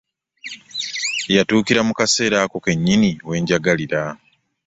Yatuukira mu kaseera ako kennyini wenjagalira.